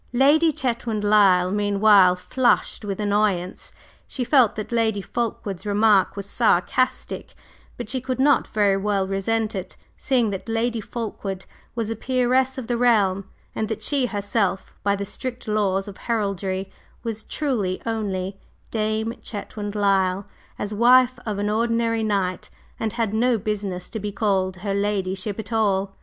Lady Chetwynd Lyle meanwhile flushed with annoyance; she felt that Lady Fulkeward's remark was sarcastic, but she could not very well resent it, seeing that Lady Fulkeward was a peeress of the realm, and that she herself, by the strict laws of heraldry, was truly only "Dame" Chetwynd Lyle, as wife of an ordinary knight, and had no business to be called "her ladyship" at all.